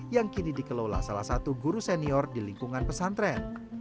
yang kini dikelola salah satu guru senior di lingkungan pesantren